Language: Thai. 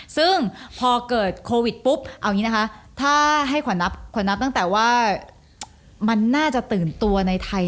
ซึ่งพอเกิดโควิดปุ๊บถ้าให้ขวานับตั้งแต่ว่ามันน่าจะตื่นตัวในไทย